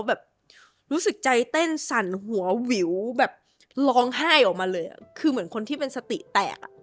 แบบรู้สึกใจเต้นสั่นหัวหวิวแบบร้องไห้ออกมาเลยคือเหมือนคนที่เป็นสติแตกอ่ะ